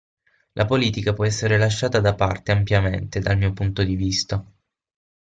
La politica può essere lasciata da parte ampiamente dal mio punto di vista.